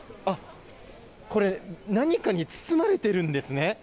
あっ、これ、何かに包まれてるんですね。